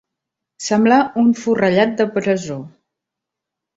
Semblar un forrellat de presó.